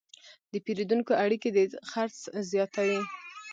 د پیرودونکو اړیکې د خرڅ زیاتوي.